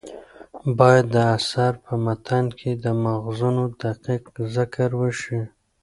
باید د اثر په متن کې د ماخذونو دقیق ذکر وشي.